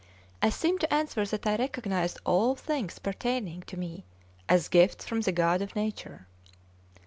I seemed to answer that I recognized all things pertaining to me as gifts from the God of nature.